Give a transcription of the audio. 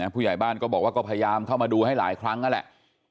พูดใหญ่บ้านก็พยายามเข้ามาดูให้หลายครั้งแล้วแหละ